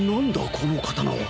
この刀は